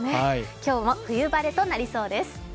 今日も冬晴れとなりそうです。